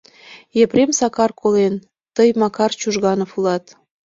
— Епрем Сакар колен, тый Макар Чужганов улат.